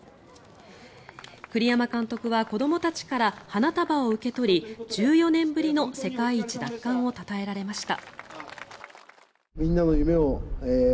栗山監督は子どもたちから花束を受け取り１４年ぶりの世界一奪還をたたえられました。